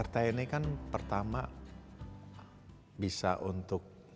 partai ini kan pertama bisa untuk